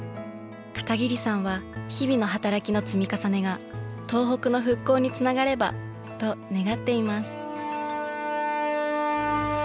片桐さんは日々の働きの積み重ねが東北の復興につながればと願っています。